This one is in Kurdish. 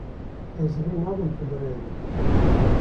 Ez rê nadim tu birevî.